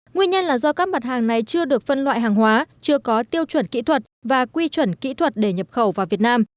nguyên nhân là do các mặt hàng này chưa được phân loại hàng hóa chưa có tiêu chuẩn kỹ thuật và quy chuẩn kỹ thuật để nhập khẩu vào việt nam